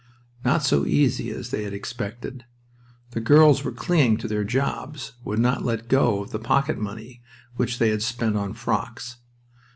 Not so easy as they had expected. The girls were clinging to their jobs, would not let go of the pocket money which they had spent on frocks.